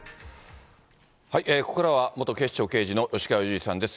ここからは、元警視庁刑事の吉川祐二さんです。